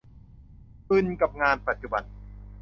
อึนกับงานปัจจุบัน